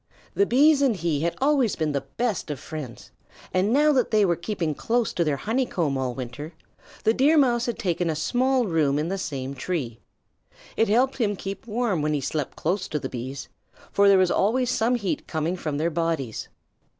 The Bees and he had always been the best of friends, and now that they were keeping close to their honeycomb all winter, the Deer Mouse had taken a small room in the same tree. It helped to keep him warm when he slept close to the Bees, for there was always some heat coming from their bodies.